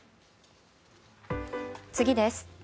次です。